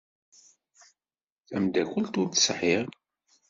Tamdakelt ur tt-sɛiɣ.